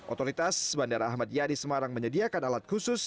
otoritas bandara ahmadiyah di semarang menyediakan alat khusus